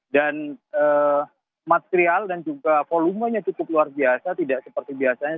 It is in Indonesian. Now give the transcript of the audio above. dan material dan juga volumenya cukup luar biasa tidak seperti biasanya